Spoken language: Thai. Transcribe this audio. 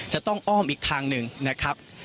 จะต้องอ้อมอีกทางหนึ่งนะครับ